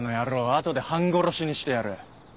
あとで半殺しにしてやる。